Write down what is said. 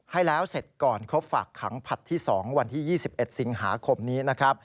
ให้แล้วเสร็จก่อนครบฝากขังผลัดที่๒วันที่๒๑สิงหาคมนี้นะครับ